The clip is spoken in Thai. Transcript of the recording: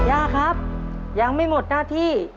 ย่าครับยังไม่หมดหน้าที่